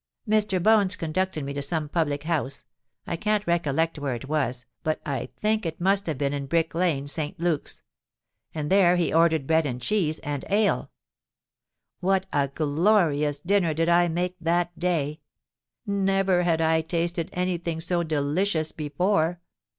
"Mr. Bones conducted me to some public house—I can't recollect where it was, but I think it must have been in Brick Lane, St. Luke's,—and there he ordered bread and cheese and ale. What a glorious dinner did I make that day! Never had I tasted any thing so delicious before!